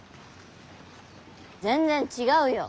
全然違うよ。